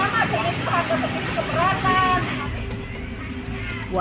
harus lebih keberatan